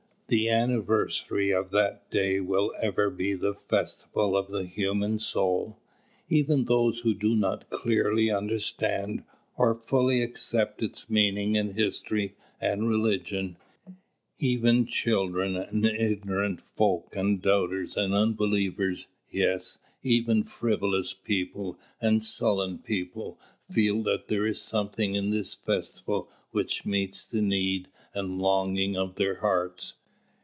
The anniversary of that day will ever be the festival of the human soul. Even those who do not clearly understand or fully accept its meaning in history and religion, even children and ignorant folk and doubters and unbelievers, yes, even frivolous people and sullen people, feel that there is something in this festival which meets the need and longing of their hearts.